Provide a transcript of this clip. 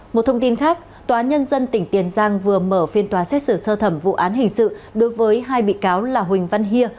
một thông tin khác tòa nhân dân tỉnh tiền giang vừa mở phiên tòa xét xử sơ thẩm vụ án hình sự đối với hai bị cáo là huỳnh văn hia